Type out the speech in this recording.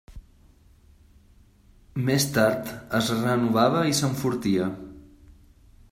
Més tard es renovava i s'enfortia.